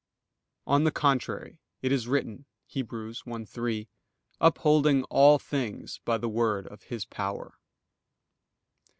On the contrary, It is written (Heb. 1:3): "Upholding all things by the word of His power."